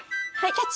キャッチ！